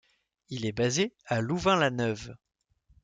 Il est basé à Louvain-la-Neuve.